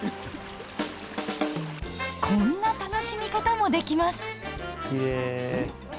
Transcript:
こんな楽しみ方もできます！